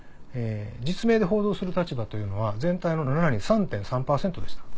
実名で報道する立場というのは全体の７人３．３％でした。